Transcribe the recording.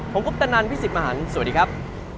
ผมกรุ๊ปตะนันพี่สิบมหานสวัสดีครับ